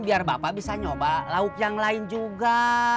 biar bapak bisa nyoba lauk yang lain juga